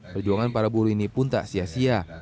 perjuangan para buruh ini pun tak sia sia